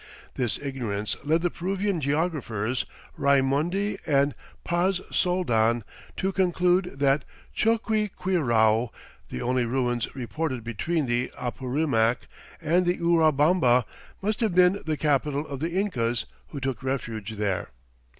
This ignorance led the Peruvian geographers Raimondi and Paz Soldan to conclude that Choqquequirau, the only ruins reported between the Apurimac and the Urubamba, must have been the capital of the Incas who took refuge there.